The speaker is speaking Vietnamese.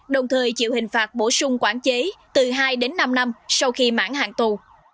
đồng thời chịu hình phạt bổ sung quản chế từ hai đến năm năm sau khi mãn hạn tù